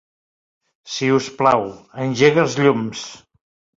Si us plau, engega els llums.